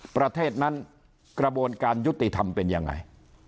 ประเทศนั้นกระบวนการยุติธรรมเป็นยังไง